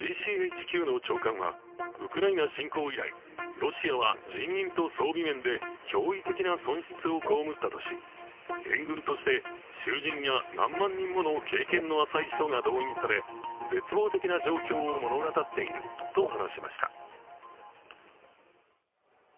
ＧＣＨＱの長官はウクライナ侵攻以来、ロシアは人員と装備面で驚異的な損失を被ったとし援軍として、囚人や何万人もの経験の浅い人が動員され、絶望的な状況を物語っていると話しました。